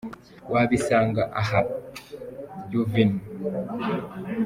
Wabisanga aha : Uvin, P.